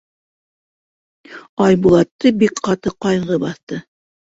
Айбулатты бик ҡаты ҡайғы баҫты.